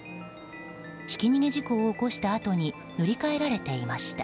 ひき逃げ事故を起こしたあとに塗り替えられていました。